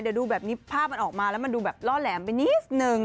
เดี๋ยวดูแบบนี้ภาพมันออกมาแล้วมันดูแบบล่อแหลมไปนิดนึง